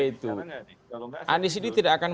itu anies ini tidak akan